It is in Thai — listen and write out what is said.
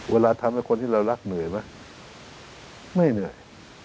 เวลาทำให้คนที่เรารักเหนื่อยไหมไม่เหนื่อย